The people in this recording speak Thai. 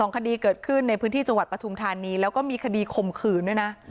คดีเกิดขึ้นในพื้นที่จังหวัดปฐุมธานีแล้วก็มีคดีข่มขืนด้วยนะ